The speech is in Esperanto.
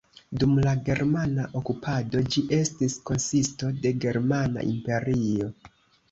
Dum la germana okupado ĝi estis konsisto de Germana imperio.